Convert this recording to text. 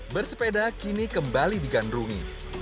bersepeda kini kembali digandrungi